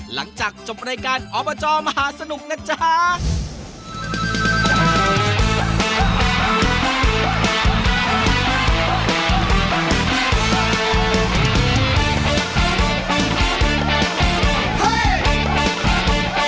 หลังจากจบรายการอบจมหาสนุกนะจ๊ะ